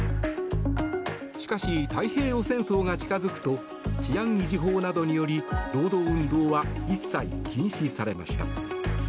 しかし、太平洋戦争が近づくと治安維持法などにより労働運動は一切禁止されました。